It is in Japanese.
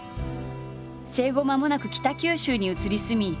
生後まもなく北九州に移り住み